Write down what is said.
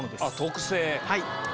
特製！